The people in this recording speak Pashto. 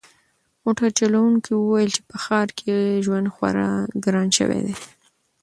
موټر چلونکي وویل چې په ښار کې ژوند خورا ګران شوی دی.